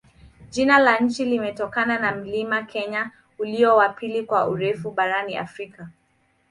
Jina la nchi limetokana na mlima Kenya, ulio wa pili kwa urefu barani Afrika.